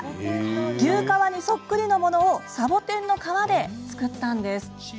牛皮にそっくりのものをサボテンの革で作ったんです。